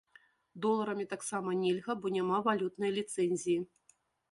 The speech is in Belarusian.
Доларамі таксама нельга, бо няма валютнай ліцэнзіі.